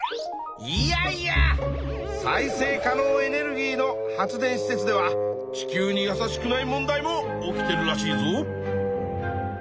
いやいや再生可能エネルギーの発電施設では地球に優しくない問題も起きてるらしいぞ！